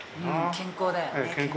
健康だよね、健康。